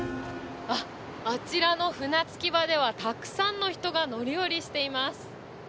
あちらの船着き場ではたくさんの人が乗り降りしています。